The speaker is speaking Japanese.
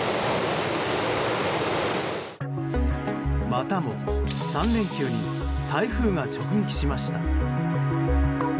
またも３連休に台風が直撃しました。